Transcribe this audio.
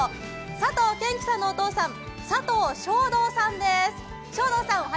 佐藤賢希さんのお父さん、佐藤正道さんです。